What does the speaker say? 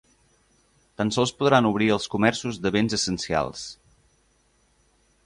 Tan sols podran obrir els comerços de béns essencials.